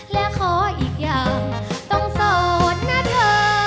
และขออีกอย่างต้องสอนนะเธอ